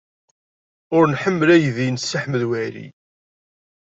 Ur nḥemmel aydi n Si Ḥmed Waɛli.